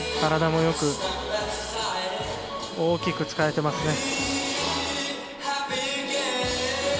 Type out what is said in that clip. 体も大きく使えてます。